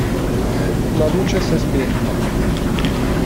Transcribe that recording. La luce s'è spenta.